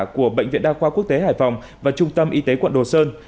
của bệnh viện đa khoa quốc tế hải phòng và trung tâm y tế quận đồ sơn